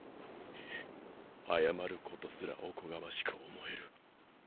謝ることすらおこがましく思える。